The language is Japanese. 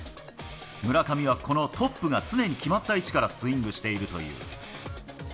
村上はこのトップが常に決まった位置からスイングしているという。